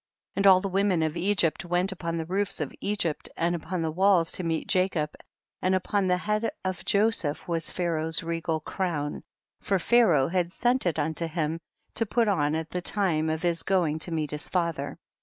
10. And all the women of Egypt went upon the roofs of Egypt and upon the w^alls to meet Jacob, and upon the head of Joseph was Phara oh's regal crown, for Pharaoh had sent it unto him to put on at the time of his going to meet his father.